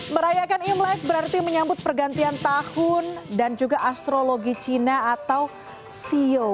merayakan imlek berarti menyambut pergantian tahun dan juga astrologi cina atau ceo